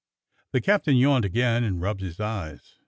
The captain yawned again and rubbed his eyes.